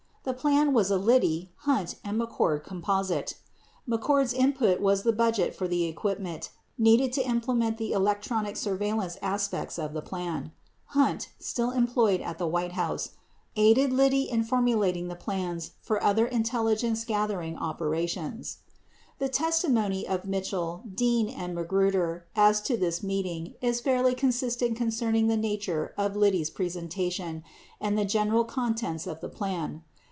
The plan was a Liddy, Hunt, and McCord composite. McCord's input was the budget for the equipment needed to implement the electronic surveillance aspects of the plan. 48 Hunt, still employed at the White House, aided Liddy in formulating the plans for other intelligence gathering opera tions. 49 The testimony of Mitchell, Dean, and Magruder as to this meeting is fairly consistent concerning the nature of Liddy's presentation and the general contents of the plan.